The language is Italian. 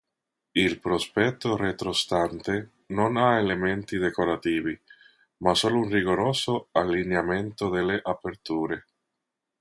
Il prospetto retrostante non ha elementi decorativi, ma solo un rigoroso allineamento delle aperture.